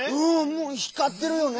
もうひかってるよね。